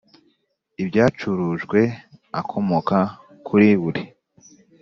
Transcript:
ibyacurujwe akomoka kuri buri